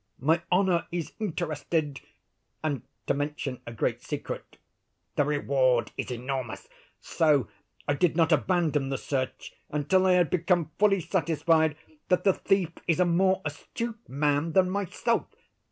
My honor is interested, and, to mention a great secret, the reward is enormous. So I did not abandon the search until I had become fully satisfied that the thief is a more astute man than myself.